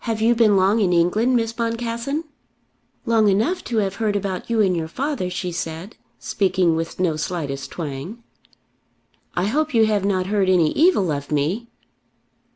"Have you been long in England, Miss Boncassen?" "Long enough to have heard about you and your father," she said, speaking with no slightest twang. "I hope you have not heard any evil of me."